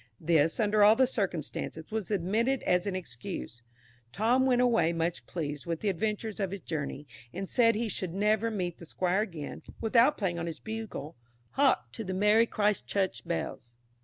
This, under all the circumstances, was admitted as an excuse. Tom went away much pleased with the adventures of his journey, and said he should never meet the Squire again without playing on his bugle "Hark to the merry Christ Church bells."